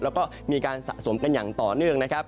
แล้วก็มีการสะสมกันอย่างต่อเนื่องนะครับ